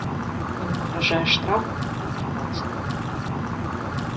Ім пагражае штраф і дэпартацыя.